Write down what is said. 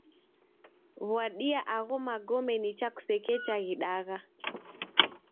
W'adia agho magome nicha kusekecha ghidagha.